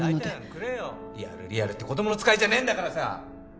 リアルリアルって子供の使いじゃねえんだからさ！